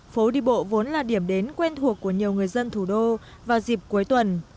phố đi bộ vốn là điểm đến quen thuộc của nhiều người dân thủ đô vào dịp cuối tuần